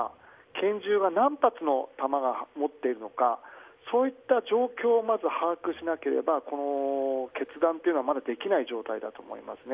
拳銃は何発の弾を持っているのかそういった状況をまず把握しなければ、この決断はまだできない状態だと思いますね。